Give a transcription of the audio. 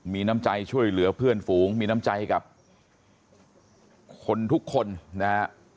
มีน้ำใจช่วยเหลือเพื่อนฝูงมีน้ำใจกับคนทุกคนนะฮะ